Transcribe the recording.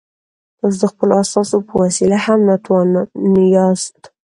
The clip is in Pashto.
تاسو د خپلو استازو په وسیله هم ناتوان یاست.